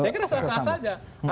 saya kira sah sah saja